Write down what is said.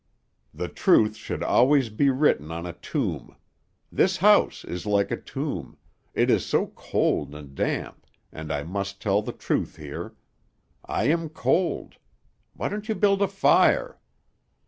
The truth should always be written on a tomb; this house is like a tomb, it is so cold and damp, and I must tell the truth here. I am cold; why don't you build a fire?'